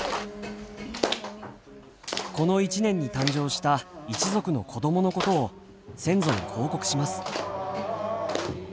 この一年に誕生した一族の子供のことを先祖に報告します。